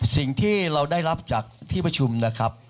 สิ่งที่เราได้รับจากที่ประชุมนะครับ